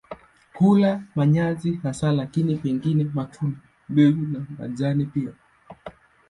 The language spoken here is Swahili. Hula manyasi hasa lakini pengine matunda, mbegu na majani pia.